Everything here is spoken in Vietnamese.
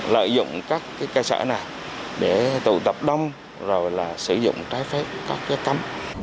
lợi dụng các cây sở này để tụ tập đông rồi sử dụng trái phép các cây cắm